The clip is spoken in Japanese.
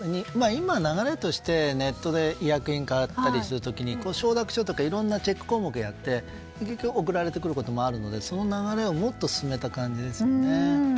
今、流れとしてネットで医薬品を買ったりする時に承諾書とかいろんなチェック項目をやって送られてくることもあるのでその流れをもっと進めた感じですよね。